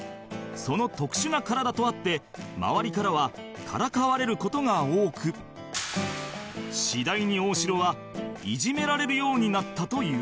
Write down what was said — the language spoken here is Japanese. その特殊な体とあって周りからはからかわれる事が多く次第に大城はいじめられるようになったという